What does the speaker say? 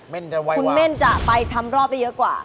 เม่นจะไววะคุณเม่นจะไปทำรอบได้เยอะกว่า